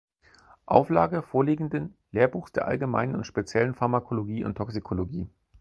Auflage vorliegenden „Lehrbuchs der allgemeinen und speziellen Pharmakologie und Toxikologie“.